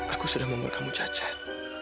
aku sudah membuat kamu cacat